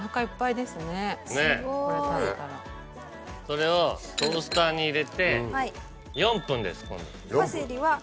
それをトースターに入れて４分です。